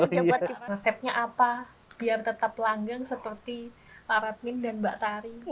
coba buat resepnya apa biar tetap langgang seperti pak radmin dan mbak tari